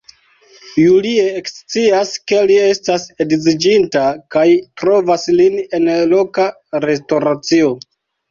Julie ekscias ke li estas edziĝinta kaj trovas lin en loka restoracio.